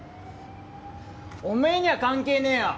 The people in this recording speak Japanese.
おめえには関係ねえよ